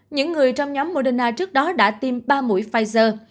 những người trong nhóm moderna trước đó đã tiêm ba mũi pfizer